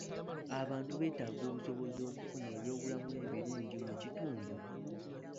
Abantu beetaaga obusobozi okufuna ebyobulamu ebirungi mu kitundu.